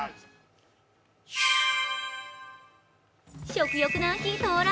食欲の秋到来。